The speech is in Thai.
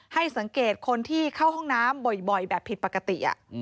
ให้สังเกตคนที่เข้าห้องน้ำบ่อยแบบผิดปกติ